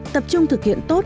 tập trung thực hiện tốt